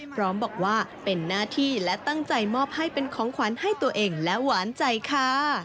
พร้อมบอกว่าเป็นหน้าที่และตั้งใจมอบให้เป็นของขวัญให้ตัวเองและหวานใจค่ะ